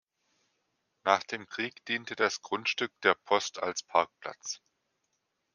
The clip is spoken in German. Nach dem Krieg diente das Grundstück der Post als Parkplatz.